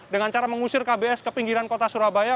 dengan cara mengusir kbs ke pinggiran kota surabaya